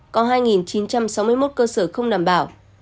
có hai chín trăm sáu mươi một cơ sở không đảm bảo